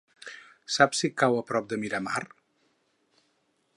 Saps si cau a prop de Miramar?